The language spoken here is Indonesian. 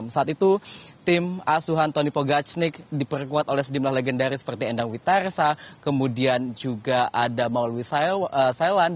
saat itu tim asuhan tony pogacnik diperkuat oleh sedimlah legendaris seperti endang witarisa kemudian juga ada maulwi sayawasa